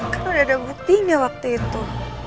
kan sudah ada buktinya waktu itu